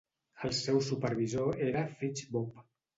El seu supervisor era Fritz Bopp.